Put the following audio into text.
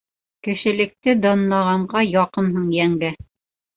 Кешелекте данлағанға яҡынһың йәнгә